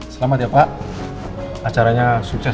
selamat ya pak acaranya sukses